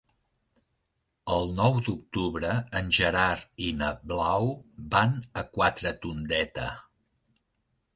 El nou d'octubre en Gerard i na Blau van a Quatretondeta.